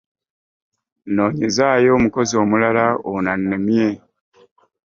Nnoonyezaayo omukozi omulala ono annemye.